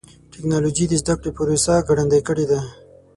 ټکنالوجي د زدهکړې پروسه ګړندۍ کړې ده.